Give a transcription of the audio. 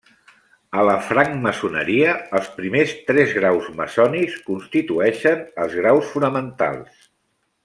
A la francmaçoneria, els primers tres graus maçònics constitueixen els graus fonamentals.